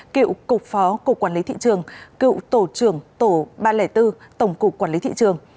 cựu cục phó cục quản lý thị trường cựu tổ trưởng tổ ba trăm linh bốn tổng cục quản lý thị trường